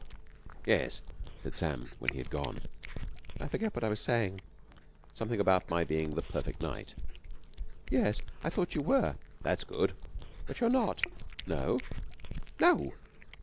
"Yes?" said Sam when he had gone. "I forget what I was saying." "Something about my being the perfect knight." "Yes. I thought you were." "That's good." "But you're not!" "No?" "No!"